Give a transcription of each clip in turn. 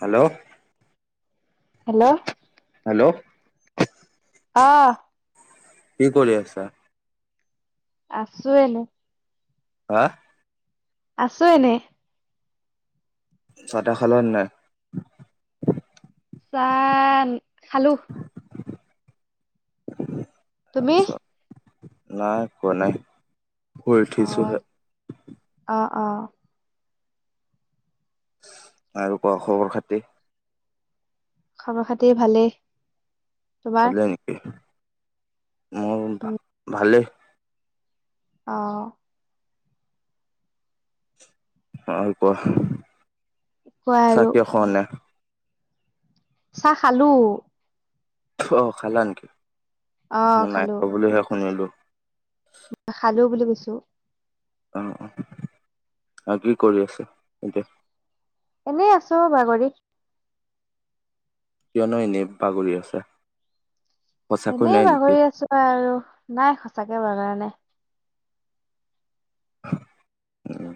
Hello? Hello? অ। কি কৰি আছা? আছো এনে। হা? আছো এনে। চটা খালৰ নাই? চাহ খালো। তুমি তাৰপিছত নাই কোৱা নাই। অ হলঠিছহে। অ। আৰু কোৱা খবৰ খাতি। খাব খাতি ভালেই। তোমাৰ শুলে নেকি মোৰ উম ভালেই অ', অ', কোৱা কোৱা চাহ আৰু কিয় খোৱা নাই চাহ খালো অ', খালা নেকি অ মই নাই খালো খোৱা বুলিহে শুনিলো খালো বুলি কৈছো অ', অ' কি কৰি আছা এতিয়া এনেই আছো বাগৰি কিয়নো এনে বাগৰি আছা সঁচাকৈ এনেই নাই নেকি বাগৰি আছো আৰু নাই সঁচাকে বাগৰা নাই উ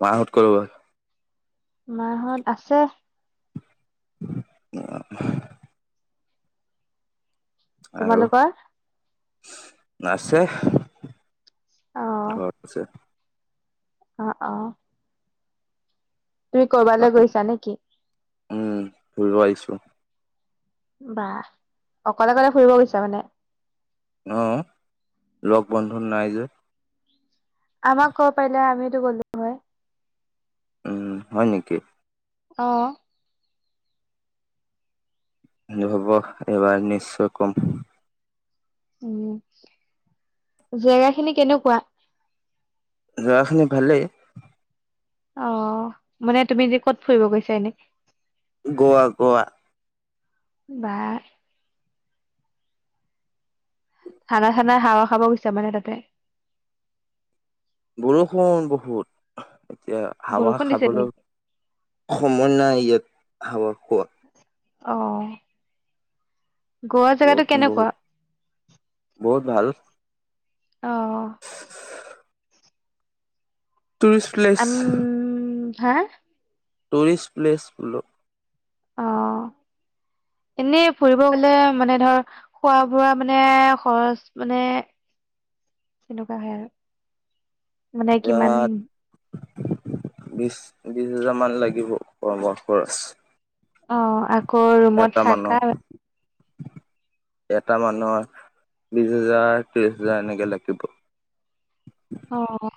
মাহঁত কলৈ গ'ল মাঁহত আছে অ', আৰু তোমালোকৰ আছে অ ঘৰত আছে অ', অ' তুমি কৰবালৈ গৈছা নেকি উম ফৰিব আইছো বাহ অকলে কলে ফুৰিব গৈছা মানে অ', লগ বন্ধু নাই যে আমাক কব পাৰিলে আমিতো গ'লো হয় উম হয় নেকি অ', হব এইবাৰ নিশ্চয় কম উম জেগা খিনি কেনেকুৱা যেগাখিনা ভালেই অ', মানে তুমি তিয়া কত ফুৰিব গৈছা এনে গোৱা গোৱা বা ঠাণ্ডা ঠাণ্ডা। হাৱা খাব গৈছো মানে তাতে বৰষুণ বহুত এতিয়া হাৱা বৰষুণ দিছে খাবলৈ নেকি? সময় নাই ইয়াত হাৱা খোৱাত অ', গোৱা জেগাতটো বৰষুণ কেনেকুৱা বহুত বহুত ভাল অ', টুৰিষ্ট প্লেচ আম হা টৰিষ্ট প্লেছ বোলো অ', এনেই ফুৰিব গলে মানে ধৰ খোৱা বোৱা মানে খৰচ মানে [inaudible] কেনেকুৱা হয় আৰু মানে কিমান ইয়াত বিশ বিশ হোজাৰমান লাগিব খোৱা বোৱা খৰচ অ', ৰুমত এটা থাকা মানুহ এটা মানুহৰ বিশ হেজাৰ ত্ৰিশ হাজাৰ এনেকে লাগিব অ',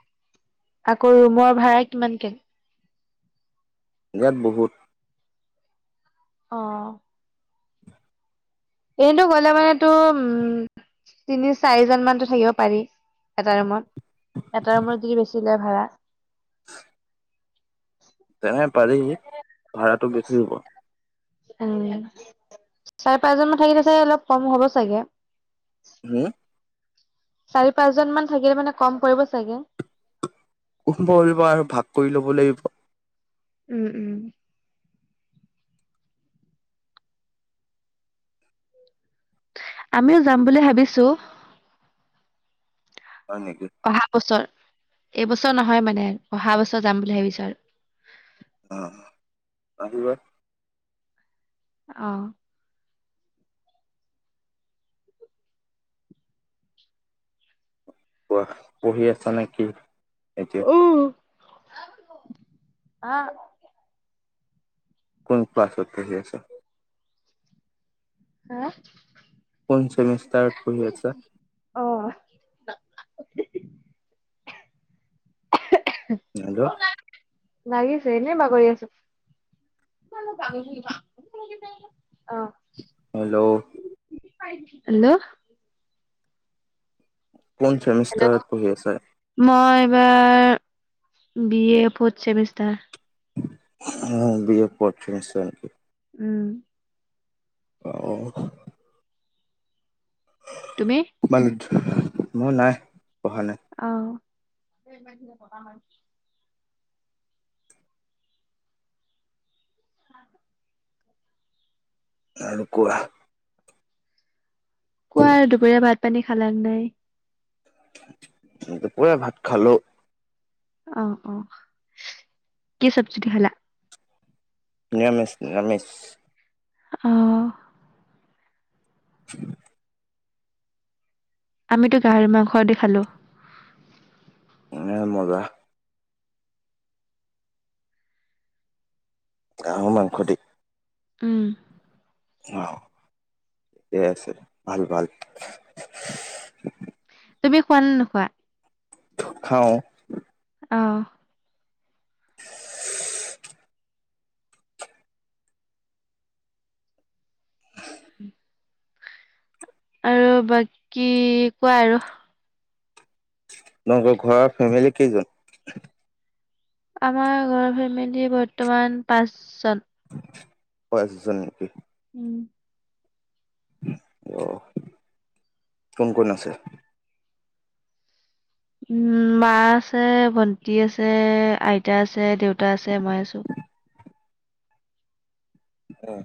আকৌ ৰুমৰ ভাড়া কিমানকে ইযাত বহুত অ', এনেইটো গলে মানে তো উম তিনি চাৰিজন মানতো থাকিব পাৰি এটা ৰুমত এটা ৰুমত যদি বেছি লয় ভাড়া তেনে পাৰি ভাড়াটো বেছি হ'ব। উম চাৰি, পাঁচজনমান থাকিলে চাগে অলপ কম হ'ব চাগে। হু। চাৰি পাঁচ জন মান থাকিলে মানে কম কৰিব চাগে। কম পৰিব আৰু ভাগ কৰি ল'ব লাগিব উম-উম। আমিও যাম বুলি ভাবিছো। হয় নেকি অহা বছৰ এইবছৰ নহয় মানে, অহা বছৰ যাম বুলি ভাবিছো আৰু অ' আহিব। অ'। পঢ়ি আছা নেকি এতিয়া? অ'। কোন ক্লাছত আহি আছে। হা কোন চেমিষ্টাৰত পঢ়ি আছা। অ হেল্লো। লাগিছে এনেই বাগৰি আছো। অ'। হেল্ল'। হেল্ল'। কোন চেমিষ্টাৰত পঢ়ি আছে। এবাৰ বি এ ফথ চেমিষ্টাৰ। উ বি এ ফৰ্ড চেমিষ্টাৰ। উম'। অহ। তুমি মান মোৰ নাই। পঢ়া নাই অ'। আৰু কোৱা। কোৱা দুপৰীয়া ভাত পানী খালাক নাই। দুপৰীয়া ভাত খালো। অ', -অ' কি চবজি দি খালা। নিৰামিষ, নিৰামিষ। অ'। [inaudible] আমিতো গাহৰি মাংস দি খালো। উ মজা। হাঁহৰ মাংসদি। উম, অ' ঠিকে আছে ভাল-ভাল। তুমি খোৱা নে নোখোৱা। খাও। অ'। [inaudible] আৰু বাকী কোৱা আৰু তোমালোকৰ ঘৰৰ ফেমিলি কেইজন। আমাৰ ঘৰৰ ফেমিলি বৰ্তমান পাঁচ জন। পাঁচজন নেকি? উম'। আহ কোন, কোন আছে। উম মা আছে, ভণ্টি আছে, আইতা আছে, দেউতা আছে, মই আছো। অ'।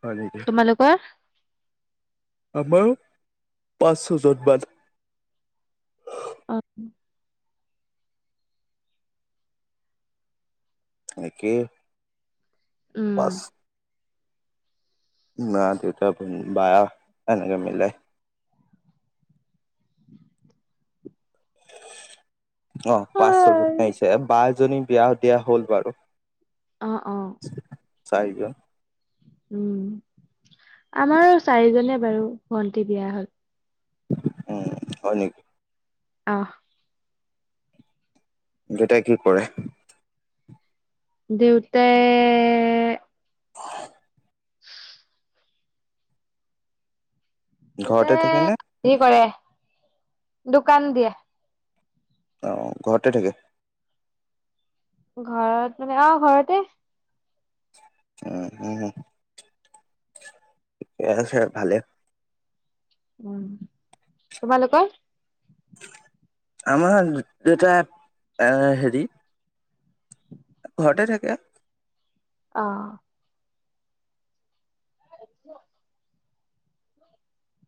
হয় নেকি তোমালোকৰৰ আমাৰো, পাঁচ ছজন মান অহ'। একেই। উম'। পাঁচ মা, দেউতা, বা এনেকে মিলাই। অহ' পাঁচ ছয় জনী অ', আহিছে, বা এজনী বিয়া দিয়া হ'ল বাৰু। অহ' অহ'। চাই বা। উম' আমাৰ চাৰিজনে বাৰু ভণ্টি বিয়া হ'ল। উম' হয় নেকি? অহ'। দেউতাই কি কৰে? দেউতা [unintelligible] [unintelligible] ঘৰতে দেউতায়ে থাকে নে হেৰি কৰে, দোকান দিয়ে। অহ' ঘৰতে থাকে। ঘৰত মানে, অহ' ঘৰতে। উম', উম'। ঠিকে আছে ভালে। উম'। তোমালোকৰ? আমাৰ দেউতাই এই হেৰি ঘৰতে থাকে। অহ'। [unintelligible]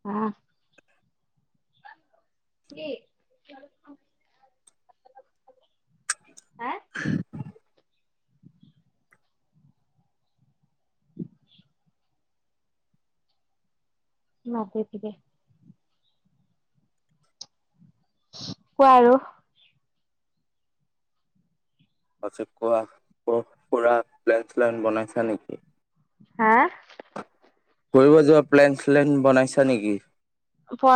অহ'। কি। হা। [unintelligible] কোৱা আৰু। তাৰপিছত কোৱা। কৰবাত ফুৰা প্লেন শ্লেন বনাইছা নেকি? হা? ফুৰিব যোৱা প্লেন শ্লেন বনাইছা নেকি? প'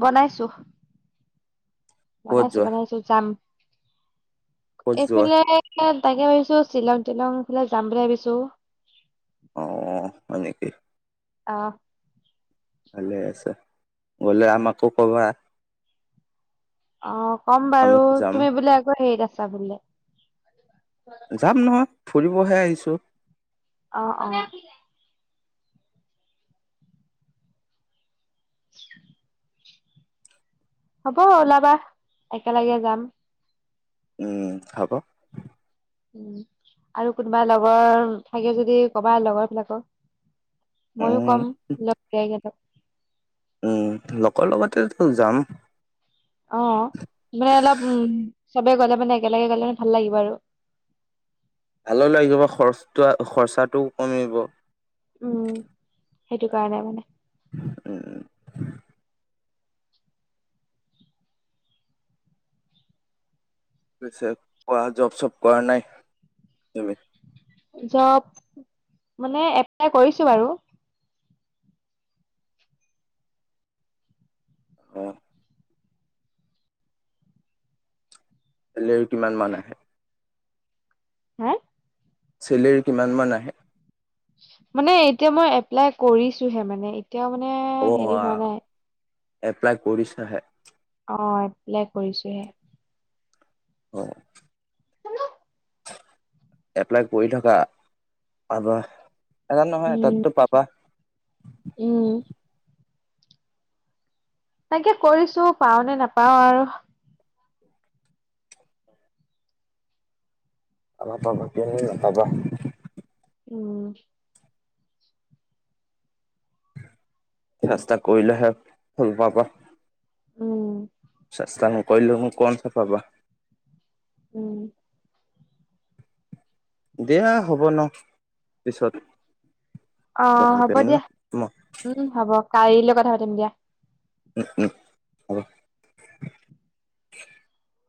বনাইছো। ক'ত বনাইছো যোৱা বনাইছো যাম। ক'ত যোৱা এইফালে তাকে ভাবিছো শ্বিলং টিলং ইফালে যাম বুলি ভাবিছো। অহ' হয় নেকি? অহ'। ভালে আছে। গ'লে আমাকো কবা। অহ' ক'ম আমি বাৰু যাম তুমি বোলে আকৌ হেৰিত আছা বোলে। যাম নহয়, ফুৰিবহে আহিছোঁ। অহ', অহ'। [unintelligible] হ'ব ওলাবা একেলগে যাম। উম' হ'ব। উম' আৰু কোনোবা লগৰ থাকে যদি কবা লগৰ বিলাকক। ময়ো উম কম লগৰীয়া কেইটাক। উম' লগৰ লগতেতো যাম। অহ' মানে অলপ উম, চবে গ'লে মানে একেলগে গলে মানে ভাল লাগিব আৰু। ভালো লাগিব, খৰচটো খৰচাটোও কমি। উম সেইটো কাৰণে মানে। উম। পিছে কোৱা জব চব কৰা নাই, তুমি? জব, মানে এপ্লাই কৰিছো বাৰু। [unintelligible] হলেও কিমান মান আহে? হা? চেলেৰী কিমান মান আহে? মানে এতিয়া মই এপ্লাই কৰিছোহে মানে এতিয়াও মানে অ হেৰি হোৱা নাই। এপ্লাই কৰিছা হে। অ' এপ্লাই কৰিছোহে। অ'। এপ্লাই কৰি থাকা, পাবা। এটা নহয় উম এটাটো পাবা। উম। তাকে কৰিছো পাও নে নাপাও আৰু। পাবা পাবা কিয়নো নাপাবা। উম। চেষ্টা কৰিলেহে ফল পাবা। উম। চেষ্টা নকৰিলেনো কৌনচা পাবা। উম। দিয়া হ'ব ন পিছত অ' কথাটো হ'ব পেল দিয়া না উম হ'ব কাললৈ কথা পাতিম দিয়া। উম উম হ'ব।